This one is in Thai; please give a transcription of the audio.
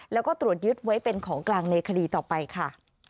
แล้วก็ตรวจยึดไว้เป็นของกลางในคดีต่อไปค่ะ